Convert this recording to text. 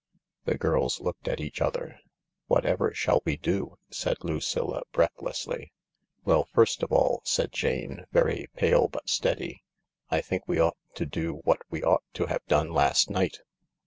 The girls looked at each other* " Whatever shall we do ?" said Lucilla breathlessly. " Well, first of all," said Jane, very pale but steady, " I think we ought to do what we ought to have done last night."